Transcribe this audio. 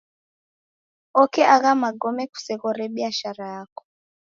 Oke agha magome kusoghore biashara yako.